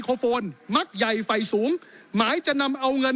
ขอประท้วงครับขอประท้วงครับขอประท้วงครับขอประท้วงครับ